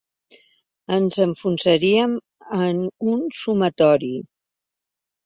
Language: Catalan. Ens enfonsaríem en un sumatori.